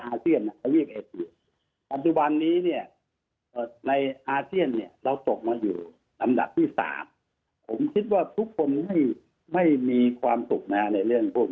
อาเซียนเนี่ยเราตกมาอยู่ลำดับที่๓ผมคิดว่าทุกคนให้ไม่มีความสุขในเรื่องพวกนี้